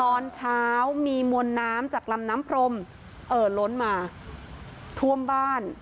ตอนเช้ามีมวลน้ำจากลำน้ำพรมเอ่อล้นมาท่วมบ้าน